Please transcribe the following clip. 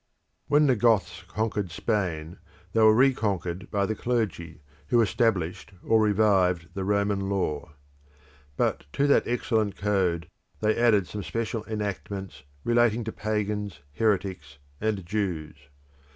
When the Goths conquered Spain they were reconquered by the clergy, who established or revived the Roman Law. But to that excellent code they added some special enactments relating to pagans, heretics, and Jews.